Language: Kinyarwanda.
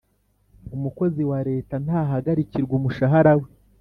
Umukozi wa Leta ntahagarikirwa umushahara we